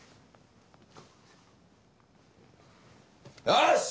よし！